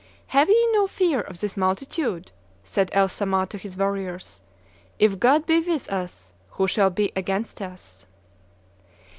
"Have ye no fear of this multitude," said El Samah to his warriors; "if God be with us, who shall be against us?